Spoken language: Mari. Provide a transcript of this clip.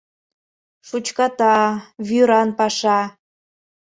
Шучката, вӱран паша.